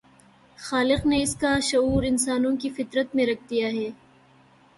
خالق نے اس کا شعور انسانوں کی فطرت میں رکھ دیا ہے۔